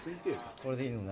これでいいのね？